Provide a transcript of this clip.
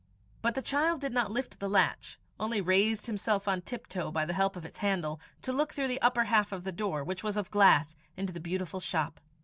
But the child did not lift the latch only raised himself on tiptoe by the help of its handle, to look through the upper half of the door, which was of glass, into the beautiful shop.